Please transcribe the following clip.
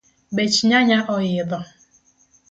Bech nyanya oidho